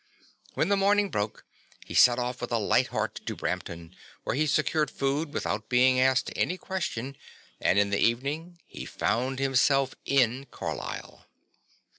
When the morning broke, he set off with a light heart to Brampton, where he secured food without being asked any question and in the evening he found himself in Carlisle.